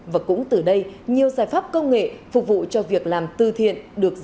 và cũng từ đây nhiều giải pháp công nghệ phục vụ cho việc làm tư thiện được ra đời